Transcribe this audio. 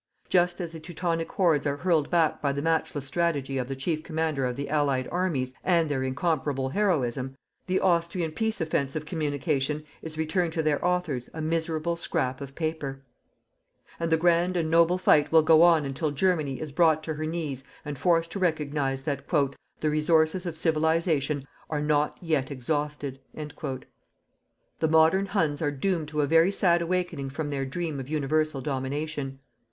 Just as the Teutonic hordes are hurled back by the matchless strategy of the Chief Commander of the Allied armies and their incomparable heroism, the Austrian peace offensive communication is returned to their authors a miserable "scrap of paper". And the grand and noble fight will go on until Germany is brought to her knees and forced to recognize that "THE RESOURCES OF CIVILIZATION ARE NOT YET EXHAUSTED." The modern Huns are doomed to a very sad awakening from their dream of universal domination.